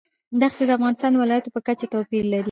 دښتې د افغانستان د ولایاتو په کچه توپیر لري.